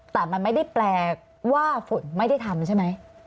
แต่มันไม่ได้แปลว่าฝนไม่ได้ทำใช่ไหม